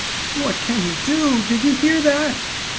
"What can he do? Did you hear that?"